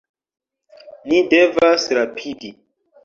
Ni devas rapidi!